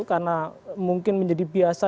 karena mungkin menjadi biasa